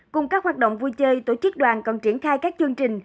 cùng các hoạt động vui chơi tổ chức đoàn còn triển khai các chương trình